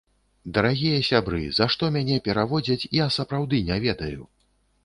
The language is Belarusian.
Дарагія сябры, за што мяне пераводзяць, я сапраўды не ведаю.